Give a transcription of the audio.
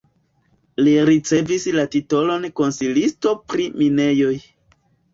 Li ricevis la titolon konsilisto pri minejoj.